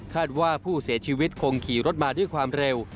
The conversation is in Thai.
ว่าผู้เสียชีวิตคงขี่รถมาด้วยความเร็ว